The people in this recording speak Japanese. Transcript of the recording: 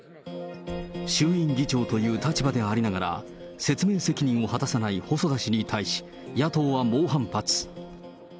衆院議長という立場でありながら、説明責任を果たさない細田氏に対し、野党は猛反発。